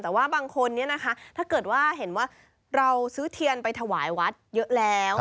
แต่ว่าบางคนนี้นะคะถ้าเกิดว่าเห็นว่าเราซื้อเทียนไปถวายวัดเยอะแล้ว